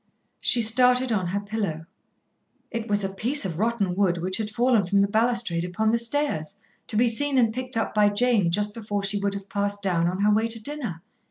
She started on her pillow. It was a piece of rotten wood which had fallen from the balustrade upon the stairs, to be seen and picked up by Jane just before she would have passed down on her way to dinner.